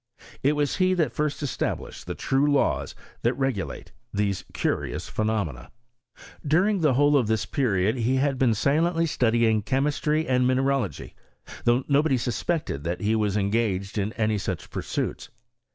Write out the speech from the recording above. It was he that first established the true laws that regulate these curious phenomena. During the whole of this period he had been si lently studying chemistry and mineralogy, though nobody suspected that be was engaged in any sacib pursuits.